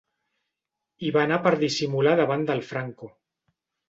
Hi va anar per dissimular davant del Franco.